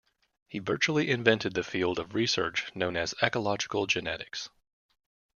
He virtually invented the field of research known as ecological genetics.